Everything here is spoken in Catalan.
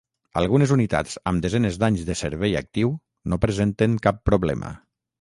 Algunes unitats amb desenes d'anys de servei actiu no presenten cap problema.